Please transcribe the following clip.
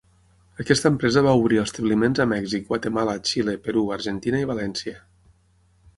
Aquesta empresa va obrir establiments a Mèxic, Guatemala, Xile, Perú, Argentina i València.